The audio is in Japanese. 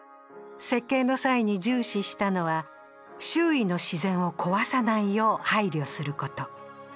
設計の際に重視したのは周囲の自然を壊さないよう配慮すること。